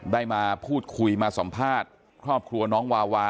ได้มาพูดคุยมาสัมภาษณ์ครอบครัวน้องวาวา